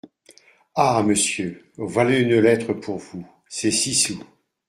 Ah ! monsieur, voilà une lettre pour vous ! c’est six sous.